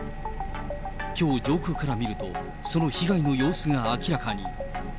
きょう、上空から見ると、その被害の様子が明らかに。